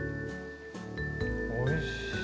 おいしい。